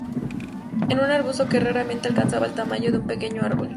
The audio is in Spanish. Es un arbusto que raramente alcanza el tamaño de un pequeño árbol.